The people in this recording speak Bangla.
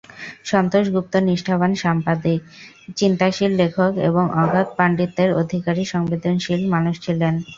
সন্তোষ গুপ্ত নিষ্ঠাবান সাংবাদিক, চিন্তাশীল লেখক এবং অগাধ পাণ্ডিত্যের অধিকারী সংবেদনশীল মানুষ ছিলেন।